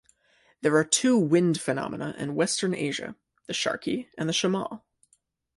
There are two wind phenomena in Western Asia: the "sharqi" and the "shamal".